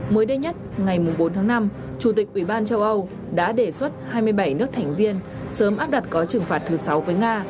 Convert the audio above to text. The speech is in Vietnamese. mới đây nhất ngày bốn tháng năm chủ tịch ubnd đã đề xuất hai mươi bảy nước thành viên sớm áp đặt gói trừng phạt thứ sáu với nga